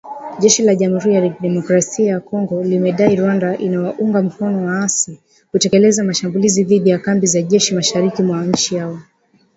Jeshi la Jamhuri ya Kidemokrasia ya Kongo limedai Rwanda inawaunga mkono waasi kutekeleza mashambulizi dhidi ya kambi za jeshi mashariki mwa nchi hiyo.